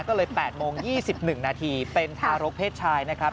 ก็เลย๘โมง๒๑นาทีเป็นทารกเพศชายนะครับ